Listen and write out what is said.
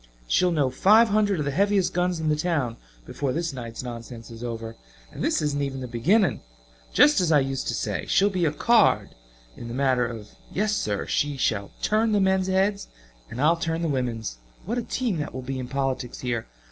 She'll know five hundred of the heaviest guns in the town before this night's nonsense is over. And this isn't even the beginning. Just as I used to say she'll be a card in the matter of yes sir! She shall turn the men's heads and I'll turn the women's! What a team that will be in politics here.